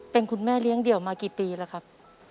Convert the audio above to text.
เป็นคุณแม่เลี้ยงเดี่ยวมากี่ปีแล้วครับ